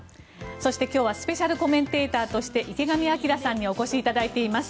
そして、今日はスペシャルコメンテーターとして池上彰さんにお越しいただいています。